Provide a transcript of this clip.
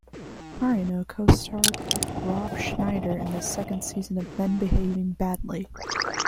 Marino co-starred with Rob Schneider in the second season of "Men Behaving Badly".